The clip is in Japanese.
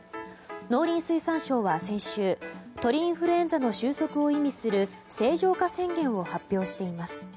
農林水産省は先週鳥インフルエンザの収束を意味する清浄化宣言を発表しています。